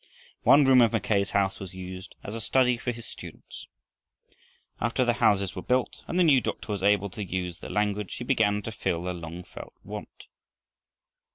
One room of Mackay's house was used as a study for his students. After the houses were built and the new doctor was able to use the language, he began to fill a long felt want.